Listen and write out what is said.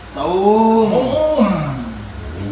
โอ้โห้ม